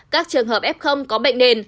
các trường hợp f có bệnh nền